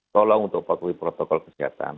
tolong untuk patuhi protokol kesehatan